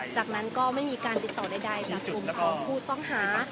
จากนั้นก็ไม่มีการติดต่อใดจากกลุ่มของผู้ต้องหา